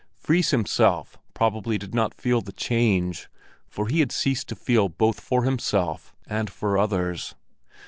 Fris himself probably did not feel the change, for he had ceased to feel both for himself and for others.